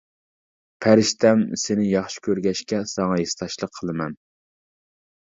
پەرىشتەم، سېنى ياخشى كۆرگەچكە ساڭا ھېسداشلىق قىلىمەن.